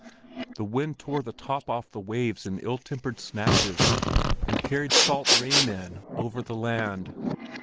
The wind tore the top off the waves in ill tempered snatches, and carried salt rain in over the land.